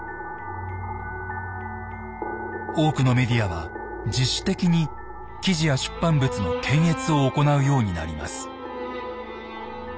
多くのメディアは自主的に記事や出版物の検閲を行うようになります。